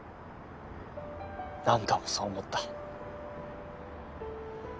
何度もそう思った。